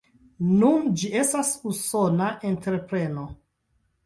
Nun ĝi estas Usona entrepreno.